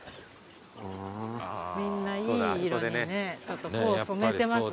みんないい色にねちょっと頬染めてますね。